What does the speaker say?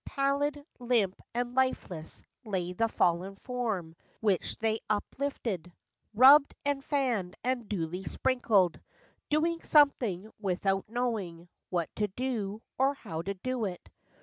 Pallid, limp, and lifeless, lay the Fallen form, which they uplifted, Rubbed, and fanned, and duly sprinkled; Doing something, without knowing What to do, or how to do it.